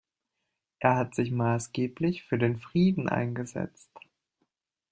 Er hat sich maßgeblich für den Frieden eingesetzt.